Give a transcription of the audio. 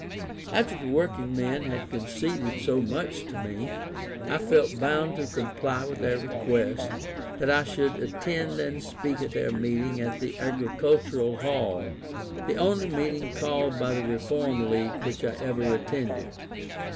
After the working men had conceded so much to me, I felt bound to comply with their request that I would attend and speak at their meeting at the Agricultural Hall; the only meeting called by the Reform League which I ever attended.